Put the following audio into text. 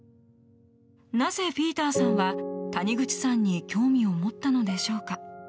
なぜピーターさんは谷口さんに興味を持ったのでしょうか。